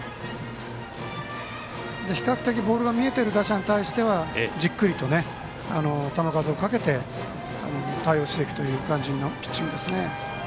比較的ボールが見えている打者に対してはじっくりと球数をかけて対応していくという感じのピッチングですね。